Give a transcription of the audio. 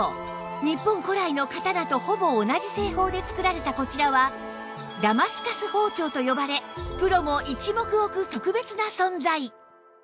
日本古来の刀とほぼ同じ製法で作られたこちらはダマスカス包丁と呼ばれプロも一目置く特別な存在